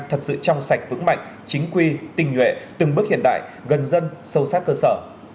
thật sự trong sạch vững mạnh chính quy tình nhuệ từng bước hiện đại gần dân sâu sát cơ sở